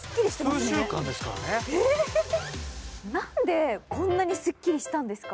なんでこんなにすっきりしたんですか？